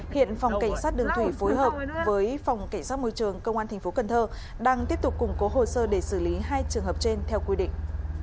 hiện phòng cảnh sát đường thủy phối hợp với phòng cảnh sát môi trường công an tp cn đang tiếp tục củng cố hồ sơ để xử lý hai trường hợp trên theo quy định